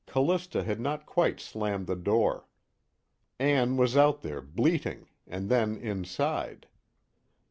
Callista had not quite slammed the door. Ann was out there, bleating, and then inside.